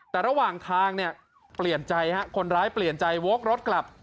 แต่ระหว่างทางคนร้ายเปลี่ยนใจโว๊ครถกลับ